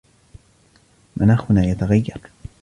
مناخنا يتغير.